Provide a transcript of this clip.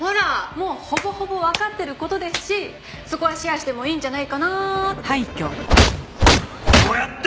もうほぼほぼわかってる事ですしそこはシェアしてもいいんじゃないかなって。